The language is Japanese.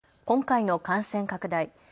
今回の感染拡大。